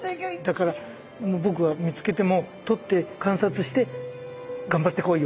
だから僕は見つけても捕って観察して頑張ってこいよっていう。